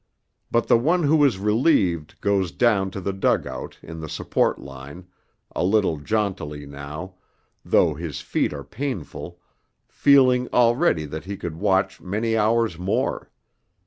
But the one who is relieved goes down to the dug out in the Support Line, a little jauntily now, though his feet are painful, feeling already that he could watch many hours more.